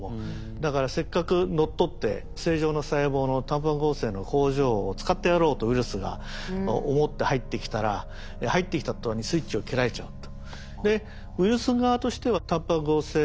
だからせっかく乗っ取って正常の細胞のタンパク合成の工場を使ってやろうとウイルスが思って入ってきたら入ってきた途端にスイッチを切られちゃうと。